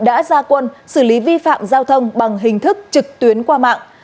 đã ra quân xử lý vi phạm giao thông bằng hình thức trực tuyến qua mạng